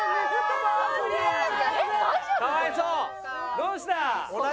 どうした？